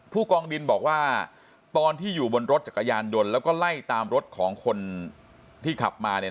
กองดินบอกว่าตอนที่อยู่บนรถจักรยานยนต์แล้วก็ไล่ตามรถของคนที่ขับมาเนี่ย